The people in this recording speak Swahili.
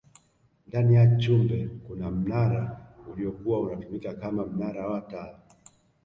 ndani ya chumbe kuna mnara uliyokuwa unatumika Kama mnara wa taa